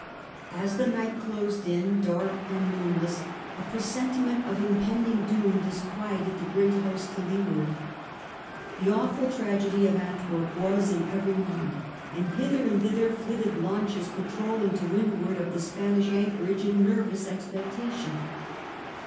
As the night closed in dark and moonless, a presentiment of im pending doom disquieted the great host to leeward. The awful tragedy of Antwerp was in Qvery mind, and hither and thither flitted launches patrolling to wind ward of the Spanish anchorage in nervous expectation.